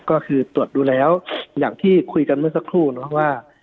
ก็คือตรวจดูแล้วอย่างที่คุยกันเมื่อสักครู่นะครับว่า